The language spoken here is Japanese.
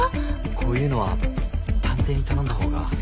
こういうのは探偵に頼んだほうが。